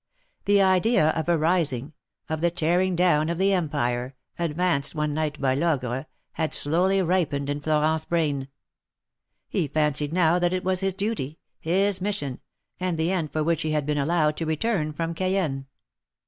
The idea of a rising — of the tearing down of the Empire, advanced one night by Logre, had slowly ripened in Florent's brain. He fancied now that it was his duty — his mission, and the end for which he had been allowed to return from Cayenne.